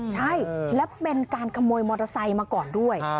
ใช่และเป็นการขโมยมอเตอร์ไซค์มาก่อนด้วย